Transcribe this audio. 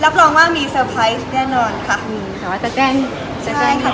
รับรองว่ามีเซอร์ไพรส์แน่นอนค่ะมีแต่ว่าจะแกล้งจะแจ้งค่ะ